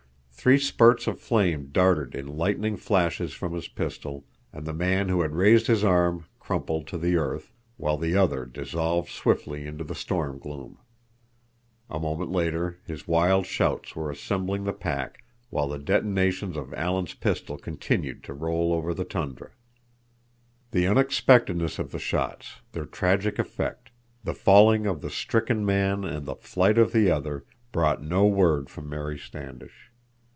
Three spurts of flame darted in lightning flashes from his pistol, and the man who had raised his arm crumpled to the earth, while the other dissolved swiftly into the storm gloom. A moment later his wild shouts were assembling the pack, while the detonations of Alan's pistol continued to roll over the tundra. The unexpectedness of the shots, their tragic effect, the falling of the stricken man and the flight of the other, brought no word from Mary Standish.